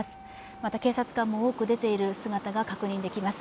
また警察官も多く出ている姿が確認できます。